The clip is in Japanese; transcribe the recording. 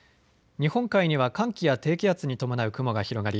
日本海には寒気や低気圧に伴う雲が広がり